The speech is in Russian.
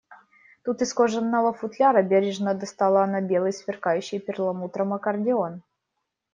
Тут из кожаного футляра бережно достала она белый, сверкающий перламутром аккордеон